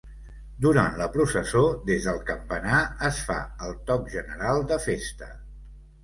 Durant la processó, des del campanar, es fa el Toc General de Festa.